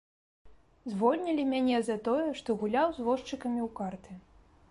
Звольнілі мяне за тое, што гуляў з возчыкамі ў карты.